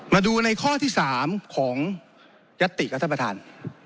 มาดูในข้อที่๓ของยัตติครับท่านประธาน